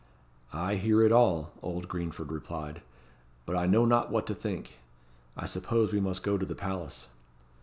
"I hear it all," old Greenford replied; "but I know not what to think. I suppose we must go to the palace."